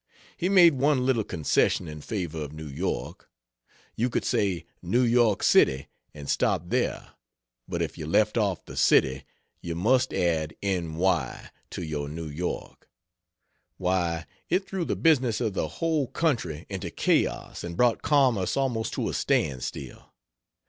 He made one little concession in favor of New York: you could say "New York City," and stop there; but if you left off the "city," you must add "N. Y." to your "New York." Why, it threw the business of the whole country into chaos and brought commerce almost to a stand still.